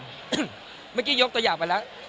เมื่อกี้ยกตัวอย่างไปแล้ว